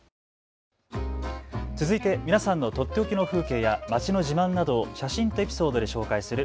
続いて皆さんのとっておきの風景や街の自慢などを写真とエピソードで紹介する＃